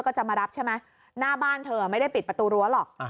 ก็จะมารับใช่ไหมหน้าบ้านเธอไม่ได้ปิดประตูรั้วหรอก